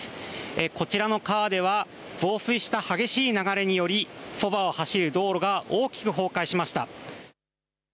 こちらの川では増水した激しい流れによりそばを走る道路が大きく崩壊しました。